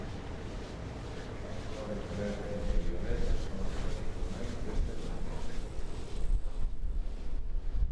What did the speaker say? As cores verde e violeta son as tradicionais deste torneo.